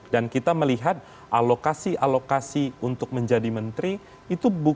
dan kita melihat alokasi alokasi untuk menjadi menteri itu bukan